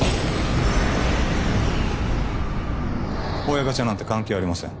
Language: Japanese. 親ガチャなんて関係ありません